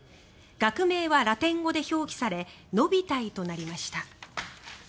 学名はラテン語で表記されノビタイとなりました。